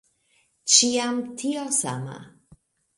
Ĉiam tio sama!